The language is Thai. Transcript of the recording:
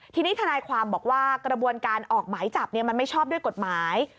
ทีนี้ทนายความบอกว่ากระบวนการออกหมายจับมันไม่ชอบด้วยกฎหมาย